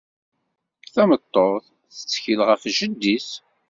Tameṭṭut tettkel ɣef jeddi-s.